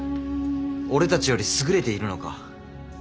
俺たちより優れているのか。